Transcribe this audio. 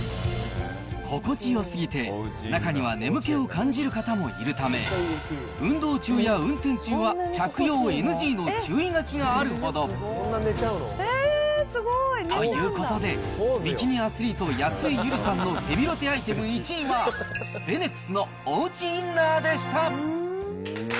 心地よすぎて、中には眠気を感じる方もいるため、運動中や運転中は着用ＮＧの注意書きがあるほど。ということで、ビキニアスリート、安井友梨さんのヘビロテアイテム１位は、ベネクスのおうちインナーでした。